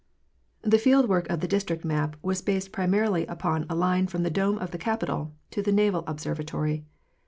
. The field work of the District map was based primarily upon a line from the dome of the Capitol to the Naval Observatory.